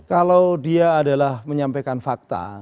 kalau dia adalah menyampaikan fakta